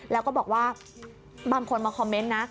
แล้วก็บอกว่าบางคนมาคอมเมนต์นะ